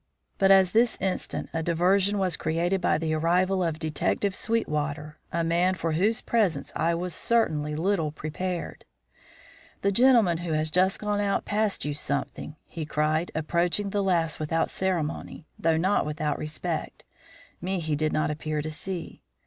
But at this instant a diversion was created by the arrival of Detective Sweetwater, a man for whose presence I was certainly little prepared. "The gentleman who has just gone out passed you something," he cried, approaching the lass without ceremony, though not without respect. Me he did not appear to see.